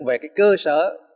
về cái cơ sở